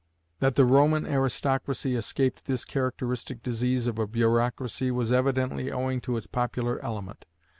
That the Roman aristocracy escaped this characteristic disease of a bureaucracy was evidently owing to its popular element.